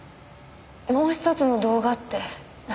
もう１つの動画って何？